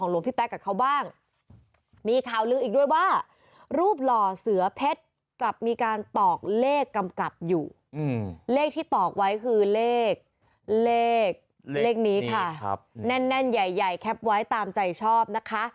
เลขเลขเลขนี้ค่ะแน่นใหญ่แคปไว้ตามใจชอบนะคะ